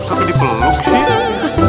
ustadz ini peluk sih